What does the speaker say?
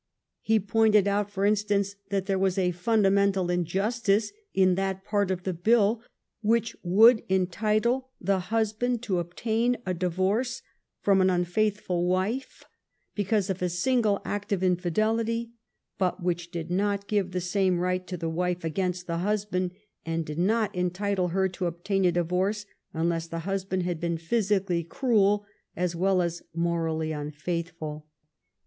He pointed out, for instance, that there was a fundamental injustice in that part of the bill which would entitle the husband to obtain a divorce from an unfaithful wife because of a single act of infidelity, but which did not give the same right to the wife against the husband, and did not entitle her to obtain a divorce unless the husband had been physically cruel as well as morally unfaithful.